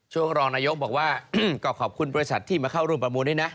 รองนายกบอกว่าก็ขอบคุณบริษัทที่มาเข้าร่วมประมูลด้วยนะ